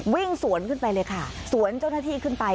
วิ่งสวนขึ้นไปเลยค่ะสวนเจ้าหน้าที่ขึ้นไป